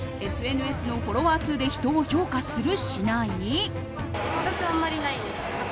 ＳＮＳのフォロワー数で人を評価する？